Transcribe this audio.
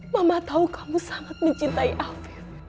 mama tau kamu sangat mencintai afif